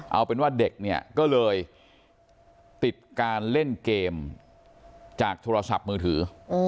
เอาเป็นว่าเด็กเนี่ยก็เลยติดการเล่นเกมจากโทรศัพท์มือถือ